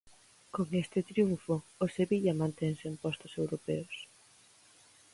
Con este triunfo o Sevilla mantense en postos europeos.